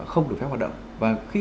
không được phép hoạt động và khi